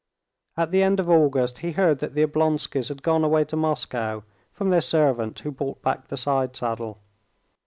At the end of August he heard that the Oblonskys had gone away to Moscow, from their servant who brought back the side saddle.